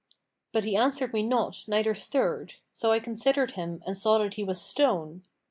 But he answered me not neither stirred; so I considered him and saw that he was stone.